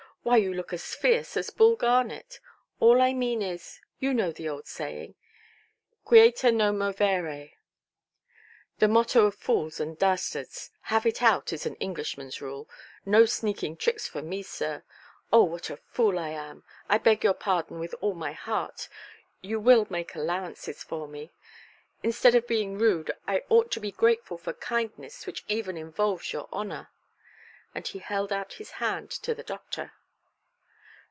Why, you look as fierce as Bull Garnet. All I mean is—you know the old saying—ʼQuieta non movere'". "The motto of fools and dastards. 'Have it out', is an Englishmanʼs rule. No sneaking tricks for me, sir. Oh, what a fool I am! I beg your pardon with all my heart; you will make allowances for me. Instead of being rude, I ought to be grateful for kindness which even involves your honour". And he held out his hand to the doctor.